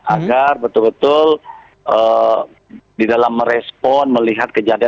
agar betul betul di dalam merespon melihat kejadian ini